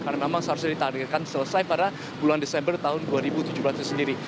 jadi memang seharusnya ditarikkan selesai pada bulan desember tahun dua ribu tujuh belas itu sendiri